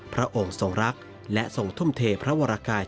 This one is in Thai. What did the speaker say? พระองค์ทรงรักและทรงทุ่มเทพระวรกาย